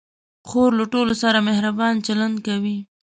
خور له ټولو سره مهربان چلند کوي.